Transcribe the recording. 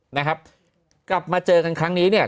นะครับกลับมาเจอกันครั้งนี้เนี่ย